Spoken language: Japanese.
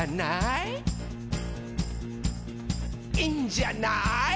「いいんじゃない？」